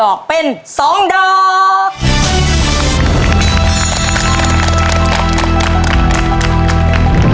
ดอกเป็น๒ดอก